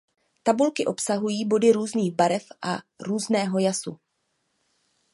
Tabulky obsahují body různých barev a různého jasu.